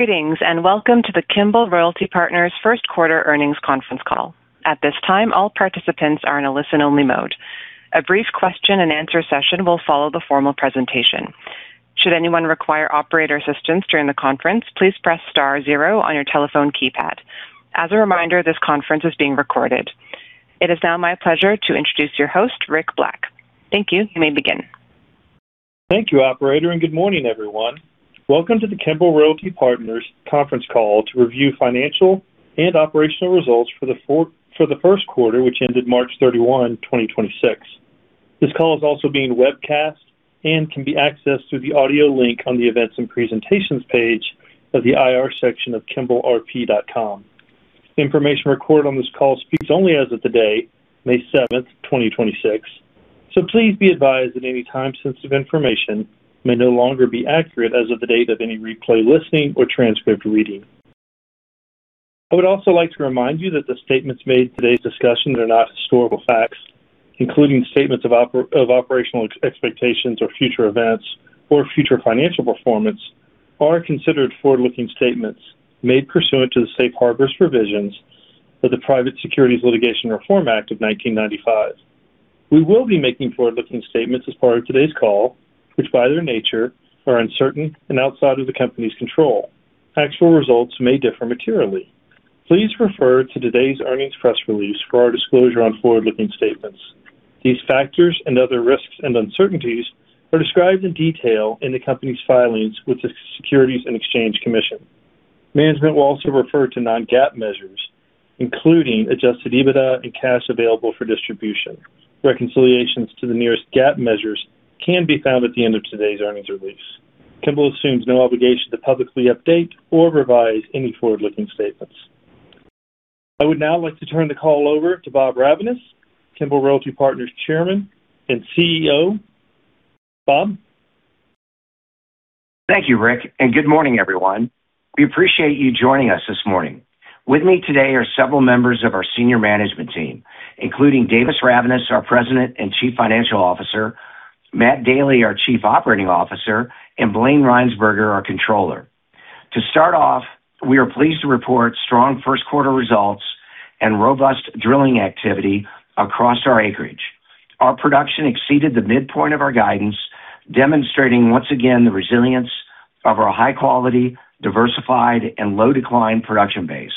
Greetings, and welcome to the Kimbell Royalty Partners first quarter earnings conference call. At this time, all participants are in a listen-only mode. A brief question and answer session will follow the formal presentation. Should anyone require operator assistance during the conference, please press star zero on your telephone keypad. As a reminder, this conference is being recorded. It is now my pleasure to introduce your host, Rick Black. Thank you. You may begin. Thank you, operator. Good morning, everyone. Welcome to the Kimbell Royalty Partners conference call to review financial and operational results for the first quarter, which ended March 31, 2026. This call is also being webcast and can be accessed through the audio link on the events and presentations page of the IR section of kimbellrp.com. Information recorded on this call speaks only as of today, May 7th, 2026. Please be advised that any time-sensitive information may no longer be accurate as of the date of any replay listening or transcript reading. I would also like to remind you that the statements made in today's discussion that are not historical facts, including statements of operational expectations of future events or future financial performance, are considered forward-looking statements made pursuant to the safe harbor provisions of the Private Securities Litigation Reform Act of 1995. We will be making forward-looking statements as part of today's call, which, by their nature, are uncertain and outside of the company's control. Actual results may differ materially. Please refer to today's earnings press release for our disclosure on forward-looking statements. These factors and other risks and uncertainties are described in detail in the company's filings with the Securities and Exchange Commission. Management will also refer to non-GAAP measures, including Adjusted EBITDA and cash available for distribution. Reconciliations to the nearest GAAP measures can be found at the end of today's earnings release. Kimbell assumes no obligation to publicly update or revise any forward-looking statements. I would now like to turn the call over to Bob Ravnaas, Kimbell Royalty Partners Chairman and CEO. Bob? Thank you, Rick, and good morning, everyone. We appreciate you joining us this morning. With me today are several members of our senior management team, including Davis Ravnaas, our president and chief financial officer, Matt Daly, our chief operating officer, and Blayne Rhynsburger, our controller. To start off, we are pleased to report strong first quarter results and robust drilling activity across our acreage. Our production exceeded the midpoint of our guidance, demonstrating once again the resilience of our high quality, diversified, and low decline production base.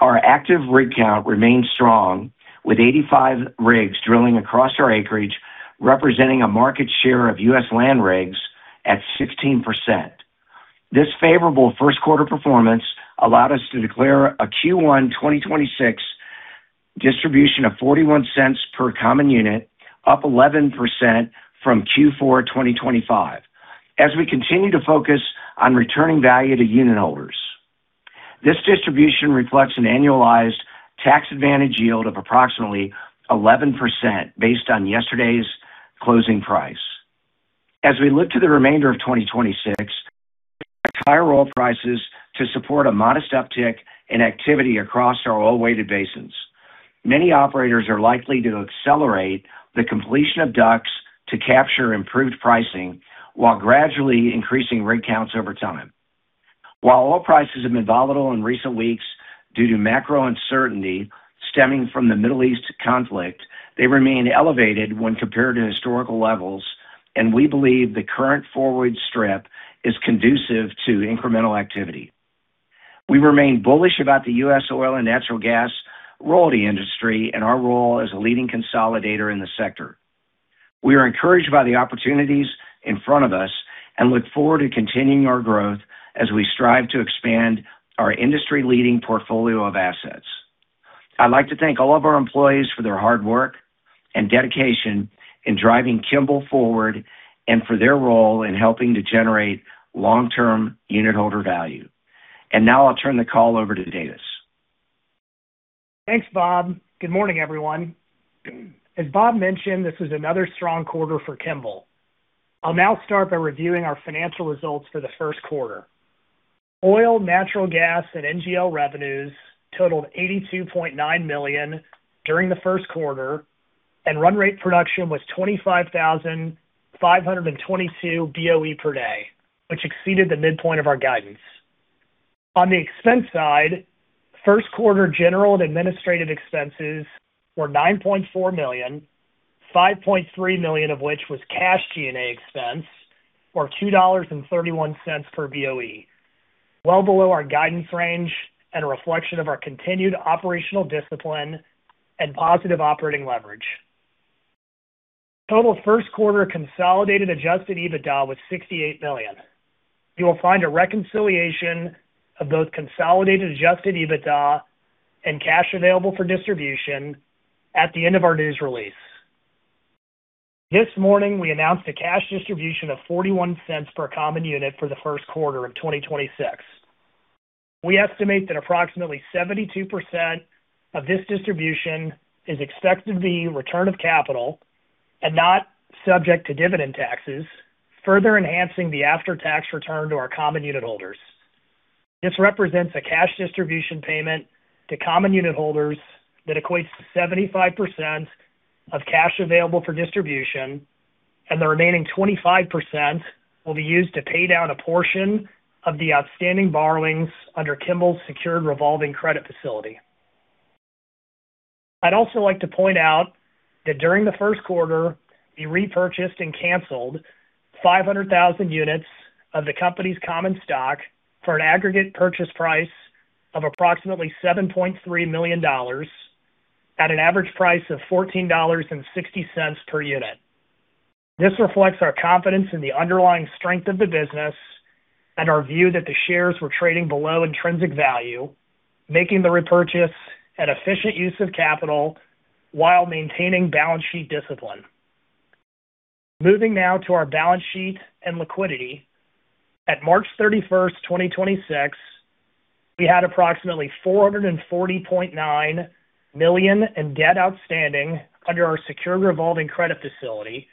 Our active rig count remains strong with 85 rigs drilling across our acreage, representing a market share of U.S. land rigs at 16%. This favorable first quarter performance allowed us to declare a Q1 2026 distribution of $0.41 per common unit, up 11% from Q4 2025, as we continue to focus on returning value to unitholders. This distribution reflects an annualized tax advantage yield of approximately 11% based on yesterday's closing price. As we look to the remainder of 2026, higher oil prices to support a modest uptick in activity across our oil-weighted basins. Many operators are likely to accelerate the completion of DUCs to capture improved pricing while gradually increasing rig counts over time. While oil prices have been volatile in recent weeks due to macro uncertainty stemming from the Middle East conflict, they remain elevated when compared to historical levels, and we believe the current forward strip is conducive to incremental activity. We remain bullish about the U.S. oil and natural gas royalty industry and our role as a leading consolidator in the sector. We are encouraged by the opportunities in front of us and look forward to continuing our growth as we strive to expand our industry-leading portfolio of assets. I'd like to thank all of our employees for their hard work and dedication in driving Kimbell forward and for their role in helping to generate long-term unitholder value. Now I'll turn the call over to Davis. Thanks, Bob. Good morning, everyone. As Bob mentioned, this was another strong quarter for Kimbell. I'll now start by reviewing our financial results for the first quarter. Oil, natural gas, and NGL revenues totaled $82.9 million during the first quarter, and run rate production was 25,522 BOE per day, which exceeded the midpoint of our guidance. On the expense side, first quarter general and administrative expenses were $9.4 million, $5.3 million of which was cash G&A expense, or $2.31 per BOE, well below our guidance range and a reflection of our continued operational discipline and positive operating leverage. Total first quarter consolidated Adjusted EBITDA was $68 million. You will find a reconciliation of both consolidated adjusted EBITDA and cash available for distribution at the end of our news release. This morning, we announced a cash distribution of $0.41 per common unit for the first quarter of 2026. We estimate that approximately 72% of this distribution is expected to be return of capital and not subject to dividend taxes, further enhancing the after-tax return to our common unitholders. This represents a cash distribution payment to common unitholders that equates to 75% of cash available for distribution. The remaining 25% will be used to pay down a portion of the outstanding borrowings under Kimbell's secured revolving credit facility. I'd also like to point out that during the first quarter, we repurchased and canceled 500,000 units of the company's common stock for an aggregate purchase price of approximately $7.3 million at an average price of $14.60 per unit. This reflects our confidence in the underlying strength of the business and our view that the shares were trading below intrinsic value, making the repurchase an efficient use of capital while maintaining balance sheet discipline. Moving now to our balance sheet and liquidity. At March 31st, 2026, we had approximately $440.9 million in debt outstanding under our secure revolving credit facility,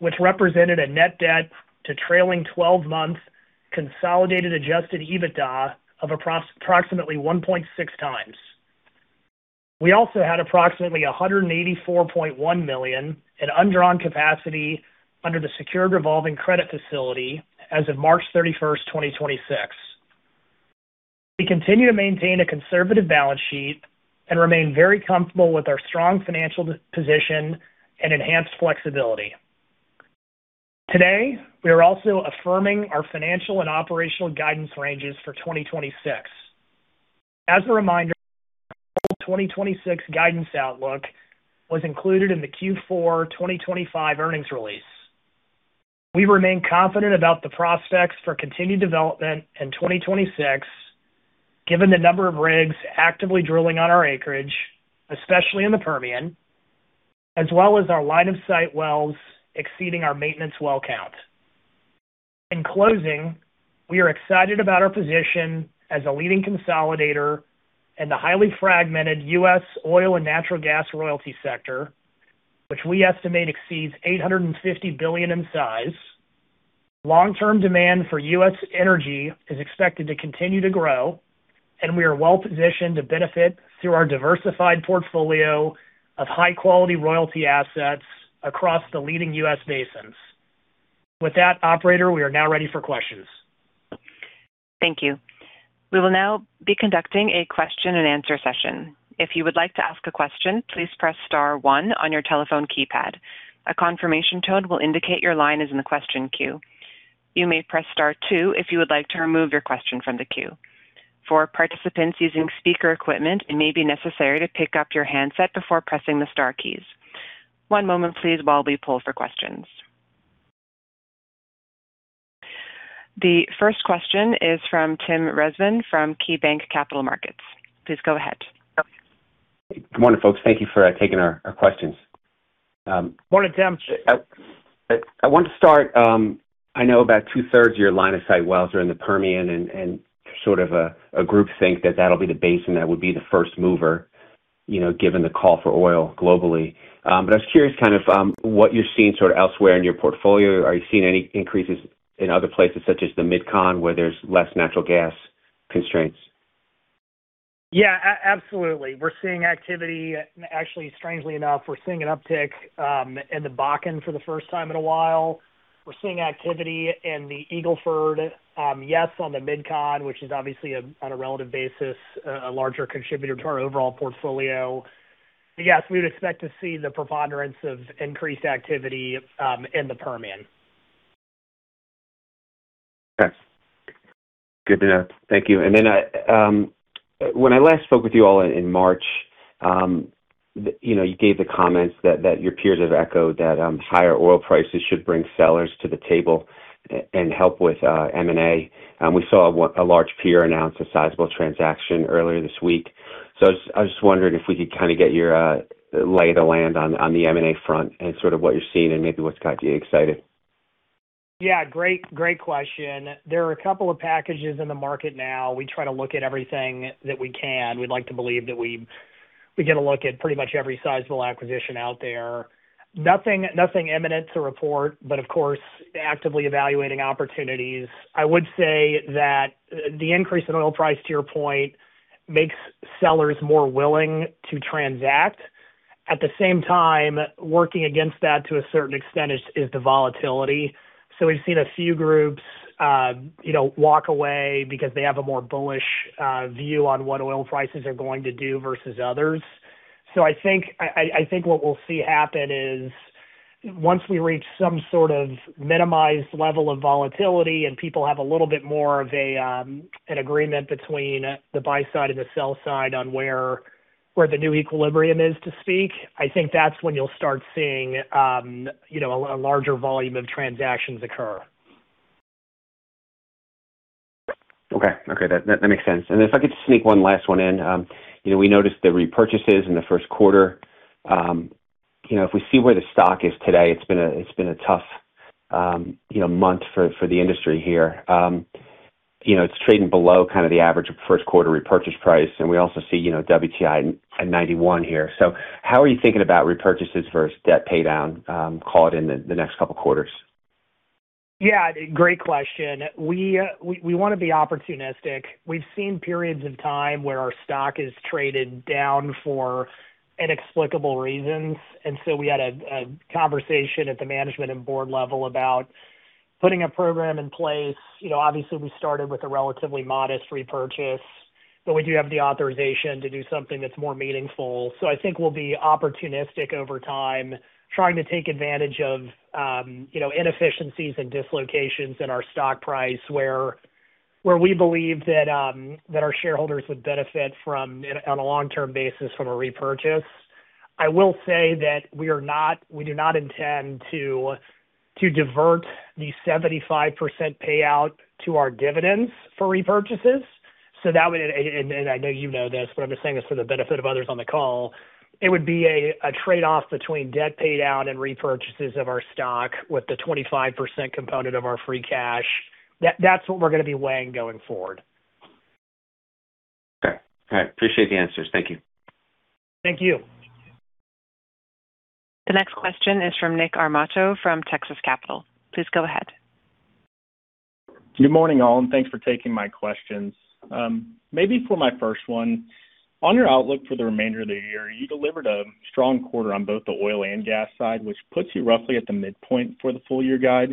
which represented a net debt to trailing twelve-month consolidated Adjusted EBITDA of approximately 1.6 times. We also had approximately $184.1 million in undrawn capacity under the secured revolving credit facility as of March 31st, 2026. We continue to maintain a conservative balance sheet and remain very comfortable with our strong financial position and enhanced flexibility. Today, we are also affirming our financial and operational guidance ranges for 2026. As a reminder, our 2026 guidance outlook was included in the Q4 2025 earnings release. We remain confident about the prospects for continued development in 2026, given the number of rigs actively drilling on our acreage, especially in the Permian, as well as our line-of-sight wells exceeding our maintenance well count. In closing, we are excited about our position as a leading consolidator in the highly fragmented U.S. oil and natural gas royalty sector, which we estimate exceeds $850 billion in size. Long-term demand for U.S. energy is expected to continue to grow, we are well-positioned to benefit through our diversified portfolio of high-quality royalty assets across the leading U.S. basins. With that, operator, we are now ready for questions. Thank you. We will now be conducting a question-and-answer session. If you would like to ask a question, please press star one on your telephone keypad. A confirmation tone will indicate your line is in the queue. You may press star two if you would like to remove your question from the queue. For participants using speaker equipment, it may be necessary to pick up your handset before pressing the star key. One moment please while we pulled the question. The first question is from Tim Rezvan from KeyBanc Capital Markets. Please go ahead. Good morning, folks. Thank you for taking our questions. Morning, Tim. I want to start, I know about 2/3 of your line-of-sight wells are in the Permian and sort of a group think that'll be the basin that would be the first mover, you know, given the call for oil globally. I was curious kind of what you're seeing sort of elsewhere in your portfolio. Are you seeing any increases in other places such as the MidCon, where there's less natural gas constraints? Yeah, absolutely. We're seeing activity. Actually, strangely enough, we're seeing an uptick in the Bakken for the first time in a while. We're seeing activity in the Eagle Ford. Yes, on the MidCon, which is obviously a, on a relative basis, a larger contributor to our overall portfolio. Yes, we would expect to see the preponderance of increased activity in the Permian. Okay. Good to know. Thank you. When I last spoke with you all in March, you know, you gave the comments that your peers have echoed that higher oil prices should bring sellers to the table and help with M&A. We saw a large peer announce a sizable transaction earlier this week. I was just wondering if we could kinda get your lay of the land on the M&A front and sort of what you're seeing and maybe what's got you excited. Yeah. Great. Great question. There are a couple of packages in the market now. We try to look at everything that we can. We'd like to believe that we get a look at pretty much every sizable acquisition out there. Nothing imminent to report, but of course, actively evaluating opportunities. I would say that the increase in oil price, to your point, makes sellers more willing to transact. At the same time, working against that to a certain extent is the volatility. We've seen a few groups, you know, walk away because they have a more bullish view on what oil prices are going to do versus others. I think what we'll see happen is once we reach some sort of minimized level of volatility and people have a little bit more of an agreement between the buy side and the sell side on where the new equilibrium is to speak, I think that's when you'll start seeing, you know, a larger volume of transactions occur. Okay. Okay. That makes sense. If I could just sneak one last one in. You know, we noticed the repurchases in the first quarter. You know, if we see where the stock is today, it's been a tough, you know, month for the industry here. You know, it's trading below kind of the average first quarter repurchase price, and we also see, you know, WTI at $91 here. How are you thinking about repurchases versus debt paydown, called in the next couple quarters? Yeah, great question. We wanna be opportunistic. We've seen periods in time where our stock is traded down for inexplicable reasons. We had a conversation at the management and board level about putting a program in place. You know, obviously, we started with a relatively modest repurchase, but we do have the authorization to do something that's more meaningful. I think we'll be opportunistic over time, trying to take advantage of, you know, inefficiencies and dislocations in our stock price where we believe that our shareholders would benefit from, on a long-term basis, from a repurchase. I will say that we do not intend to divert the 75% payout to our dividends for repurchases. That would, and I know you know this, but I'm just saying this for the benefit of others on the call. It would be a trade-off between debt paid down and repurchases of our stock with the 25% component of our free cash. That's what we're gonna be weighing going forward. Okay. All right. Appreciate the answers. Thank you. Thank you. The next question is from Nick Armato from Texas Capital. Please go ahead. Good morning, all, thanks for taking my questions. Maybe for my first one, on your outlook for the remainder of the year, you delivered a strong quarter on both the oil and gas side, which puts you roughly at the midpoint for the full year guide.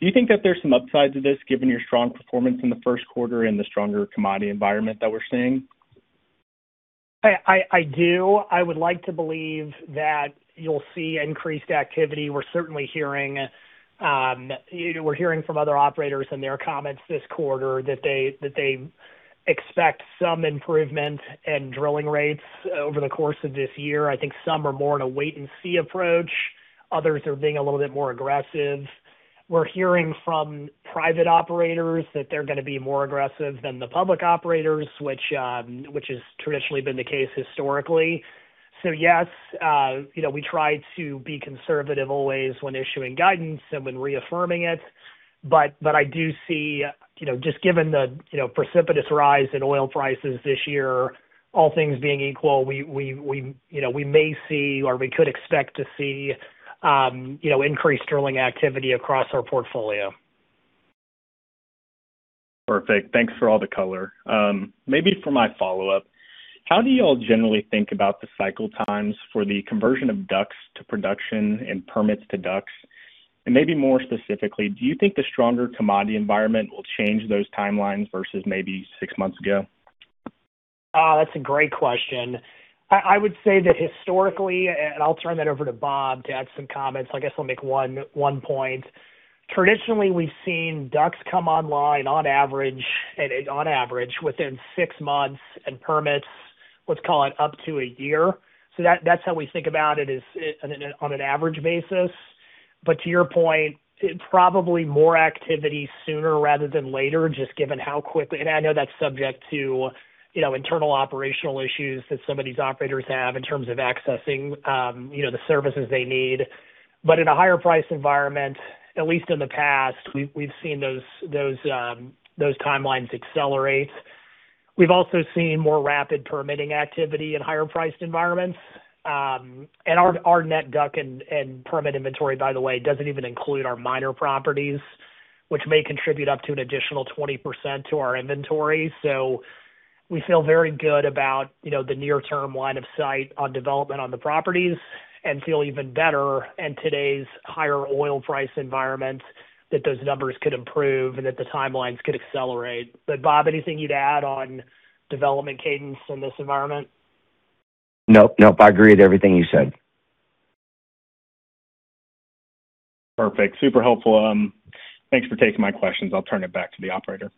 Do you think that there's some upsides of this given your strong performance in the first quarter and the stronger commodity environment that we're seeing? I do. I would like to believe that you'll see increased activity. We're certainly hearing, you know, we're hearing from other operators in their comments this quarter that they expect some improvement in drilling rates over the course of this year. I think some are more in a wait and see approach. Others are being a little bit more aggressive. We're hearing from private operators that they're gonna be more aggressive than the public operators, which has traditionally been the case historically. Yes, you know, we try to be conservative always when issuing guidance and when reaffirming it. I do see, you know, just given the, you know, precipitous rise in oil prices this year, all things being equal, we, you know, we may see or we could expect to see, you know, increased drilling activity across our portfolio. Perfect. Thanks for all the color. Maybe for my follow-up, how do you all generally think about the cycle times for the conversion of DUCs to production and permits to DUCs? Maybe more specifically, do you think the stronger commodity environment will change those timelines versus maybe six months ago? That's a great question. I would say that historically, and I'll turn that over to Bob to add some comments. I guess I'll make one point. Traditionally, we've seen DUCs come online on average within six months, and permits, let's call it up to a year. That's how we think about it is on an average basis. To your point, probably more activity sooner rather than later, just given how quickly I know that's subject to, you know, internal operational issues that some of these operators have in terms of accessing, you know, the services they need. In a higher price environment, at least in the past, we've seen those timelines accelerate. We've also seen more rapid permitting activity in higher priced environments. Our, our net DUC and permit inventory, by the way, doesn't even include our minor properties, which may contribute up to an additional 20% to our inventory. We feel very good about, you know, the near term line of sight on development on the properties and feel even better in today's higher oil price environment that those numbers could improve and that the timelines could accelerate. Bob, anything you'd add on development cadence in this environment? Nope. Nope. I agree with everything you said. Perfect. Super helpful. Thanks for taking my questions. I'll turn it back to the operator.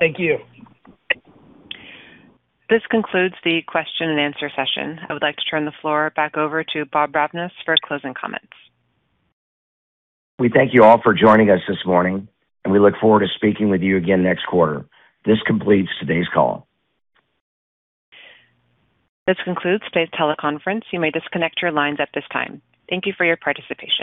Thank you. This concludes the question and answer session. I would like to turn the floor back over to Bob Ravnaas for closing comments. We thank you all for joining us this morning, and we look forward to speaking with you again next quarter. This completes today's call. This concludes today's teleconference. You may disconnect your lines at this time. Thank you for your participation.